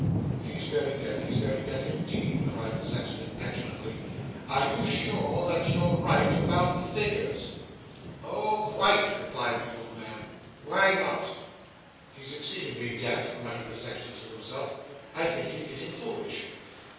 'He's very deaf. He's very deaf indeed,' cried the sexton petulantly; 'are you sure you're right about the figures?' 'Oh quite,' replied the old man. 'Why not?' 'He's exceedingly deaf,' muttered the sexton to himself. 'I think he's getting foolish.